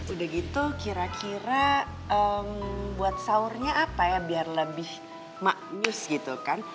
udah gitu kira kira buat sahurnya apa ya biar lebih maknyus gitu kan